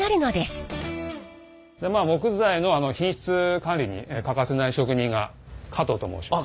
木材の品質管理に欠かせない職人が加藤と申します。